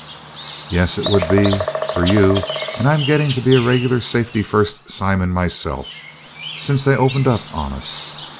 "Yes, it would be, for you and I'm getting to be a regular Safety First Simon myself, since they opened up on us.